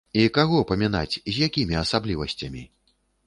І каго памінаць, з якімі асаблівасцямі?